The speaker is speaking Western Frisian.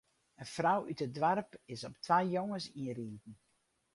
In frou út it doarp is op twa jonges ynriden.